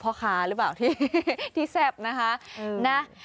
พ่อค้าหรือเปล่าที่แซ่บนะคะนะ